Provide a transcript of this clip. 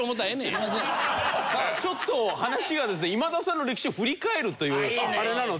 ちょっと話がですね今田さんの歴史を振り返るというあれなので。